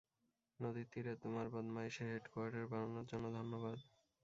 নদীর তীরে তোমার বদমায়েশির হেডকোয়ার্টার বানানোর জন্য ধন্যবাদ।